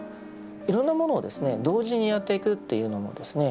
いろんなものを同時にやっていくというのもですね